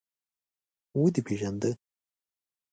_ودې پېژانده؟